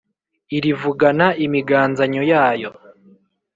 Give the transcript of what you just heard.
Irivugana imiganzanyo yayo